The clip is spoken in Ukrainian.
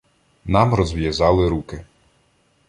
Нам розв'язали руки.